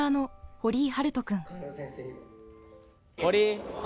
堀井！